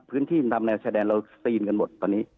พื้นที่นำแนวชายแดนเราซีนกันหมดตอนนี้